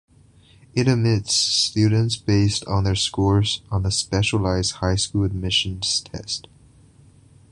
It admits students based on their scores on the Specialized High Schools Admissions Test.